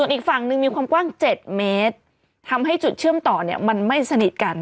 อีกฝั่งหนึ่งมีความกว้าง๗เมตรทำให้จุดเชื่อมต่อเนี่ยมันไม่สนิทกัน